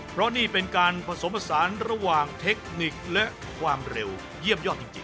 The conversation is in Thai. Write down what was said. เพราะนี่เป็นการผสมผสานระหว่างเทคนิคและความเร็วเยี่ยมยอดจริง